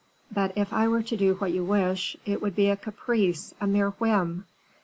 "But if I were to do what you wish, it would be a caprice, a mere whim.